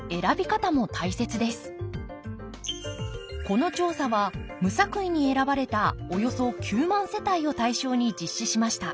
この調査は無作為に選ばれたおよそ９万世帯を対象に実施しました。